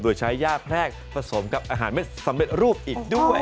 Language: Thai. โดยใช้ย่าแพรกผสมกับอาหารเม็ดสำเร็จรูปอีกด้วย